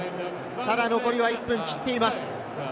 ただ残りは１分切っています。